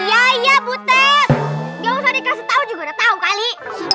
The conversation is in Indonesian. iya iya butet gak usah dikasih tau juga udah tau kali